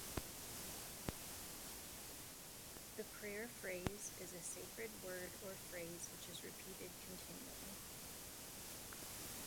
The prayer-phrase is a sacred word or phrase which is repeated continually.